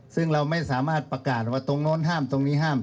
ซึ่งเราไม่สามารถประกาศว่าตรงโน้นห้ามตรงนี้ห้าม